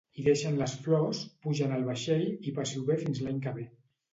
Hi deixen les flors, pugen al vaixell i passi-ho bé fins l'any que ve.